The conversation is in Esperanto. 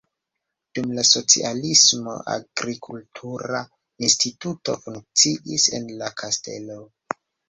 Dum la socialismo agrikultura instituto funkciis en la kastelo.